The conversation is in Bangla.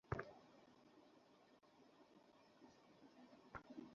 চোট পেয়ে কিছুক্ষণের জন্য মাঠের বাইরে চলে যান অ্যাটলেটিকো ডিফেন্ডার হুয়ানফ্রান।